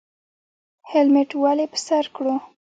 هیلمټ ولې په سر کړو؟